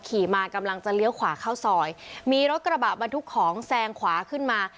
ขี่มากำลังจะเลี้ยวขวาเข้าซอยมีรถกระบะบรรทุกของแซงขวาขึ้นมา